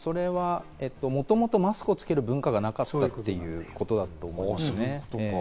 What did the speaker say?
もともとマスクをつける文化がなかったということだと思いますね。